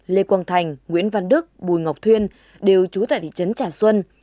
lê quang thành nguyễn văn đức bùi ngọc thuyên đều trú tại thị trấn trà xuân